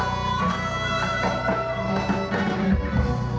oh ini dia